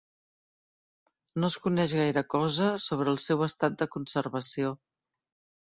No es coneix gaire cosa sobre el seu estat de conservació.